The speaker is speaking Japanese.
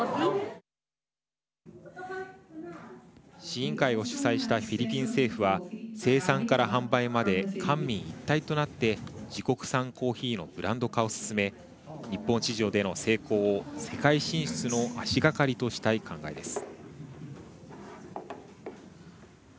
試飲会を主催したフィリピン政府は生産から販売まで官民一体となって自国産コーヒーのブランド化を進め日本市場での成功を世界進出の足がかりとしたい考えです。